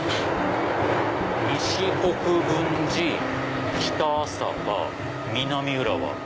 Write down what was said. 西国分寺北朝霞南浦和。